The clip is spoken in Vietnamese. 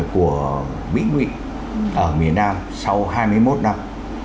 của mỹ nguyện ở miền nam sau hai mươi một năm